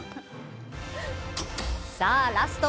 さあ、ラスト。